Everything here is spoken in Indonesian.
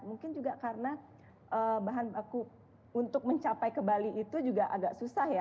mungkin juga karena bahan baku untuk mencapai ke bali itu juga agak susah ya